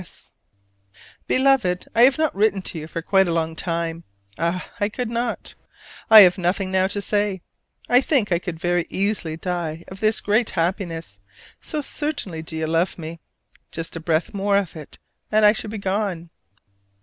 S. Beloved: I have not written to you for quite a long time: ah, I could not. I have nothing now to say! I think I could very easily die of this great happiness, so certainly do you love me! Just a breath more of it and I should be gone.